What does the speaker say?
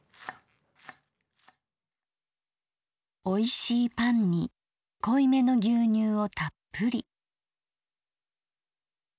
「おいしいパンに濃いめの牛乳をたっぷり。